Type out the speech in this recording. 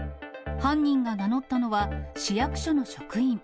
犯人が名乗ったのは、市役所の職員。